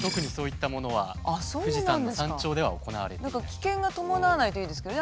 危険が伴わないといいですけどね